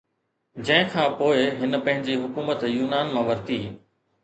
جنهن کان پوءِ هن پنهنجي حڪومت يونان مان ورتي